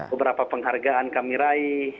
beberapa penghargaan kami raih